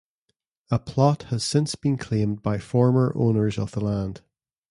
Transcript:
A plot has since been claimed by former owners of the land.